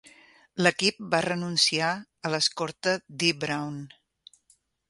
L'equip va renunciar a l'escorta Dee Brown.